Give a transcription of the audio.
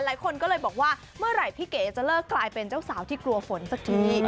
หลายคนก็เลยบอกว่าเมื่อไหร่พี่เก๋จะเลิกกลายเป็นเจ้าสาวที่กลัวฝนสักที